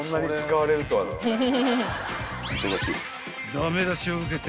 ［駄目出しを受けて］